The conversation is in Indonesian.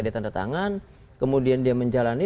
ditandatangan kemudian dia menjalani